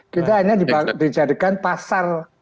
kita hanya dijadikan pasar